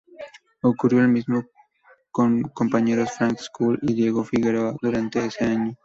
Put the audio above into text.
Ocurrió lo mismo con sus compañeros Franz Schulz y Diego Figueroa durante ese año.